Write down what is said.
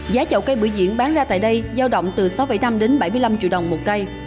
giá chậu cây bưởi diễn bán ra tại đây giao động từ sáu năm đến bảy mươi năm triệu đồng một cây